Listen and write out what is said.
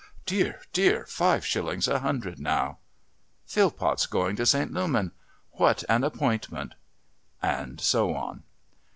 Dear, dear, five shillings a hundred now. Phillpott's going to St. Lummen! What an appointment!..." and so on.